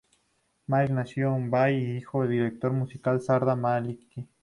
Malik nació en Mumbai, hijo del director musical, Sardar Malik.